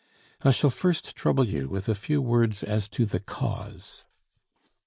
I shall first trouble you with a few words as to the cause.